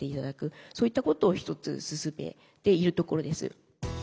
そういったことを一つ進めているところです。